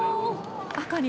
赤に。